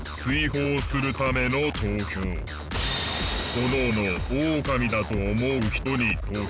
おのおのオオカミだと思う人に投票。